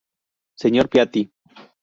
Sr. Piatti.